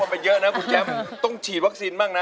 ไปเยอะนะคุณแจ้มต้องฉีดวัคซีนบ้างนะ